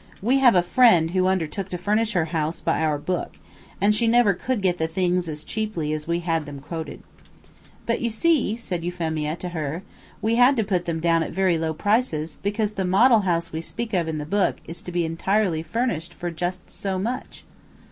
We have a friend who undertook to furnish her house by our book, and she never could get the things as cheaply as we had them quoted. "But you see," said Euphemia, to her, "we had to put them down at very low prices, because the model house we speak of in the book is to be entirely furnished for just so much."